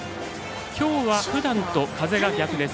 きょうは、ふだんと風が逆です。